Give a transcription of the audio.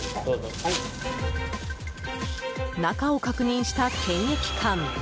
中を確認した検疫官。